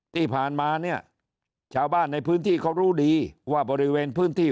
ที่ผ่านมาเนี่ยชาวบ้านในพื้นที่เขารู้ดีว่าบริเวณพื้นที่